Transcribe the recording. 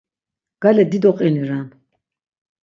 Gale dido qini ren.